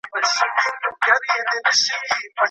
د ټولنې ژور بدلونونه مطالعه شول.